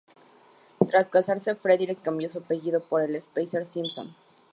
Tras casarse, Frederick cambió su apellido por el de Spicer-Simson.